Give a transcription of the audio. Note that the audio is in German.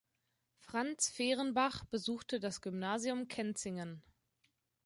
Franz Fehrenbach besuchte das Gymnasium Kenzingen.